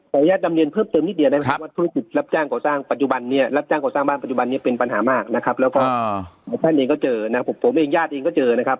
อนุญาตนำเรียนเพิ่มเติมนิดเดียวได้ไหมครับว่าธุรกิจรับจ้างก่อสร้างปัจจุบันเนี่ยรับจ้างก่อสร้างบ้านปัจจุบันนี้เป็นปัญหามากนะครับแล้วก็ท่านเองก็เจอนะครับผมเองญาติเองก็เจอนะครับ